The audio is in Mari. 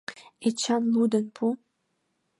Эчан, лудын пу.